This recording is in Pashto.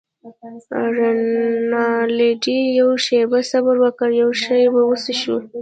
رینالډي: یوه شیبه صبر وکړه، یو شی به وڅښو.